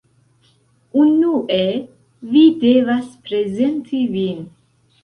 Unue, vi devas prezenti vin